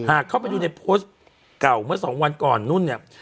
เข้าไปดูในโพสต์เก่าเมื่อสองวันก่อนนู่นเนี่ย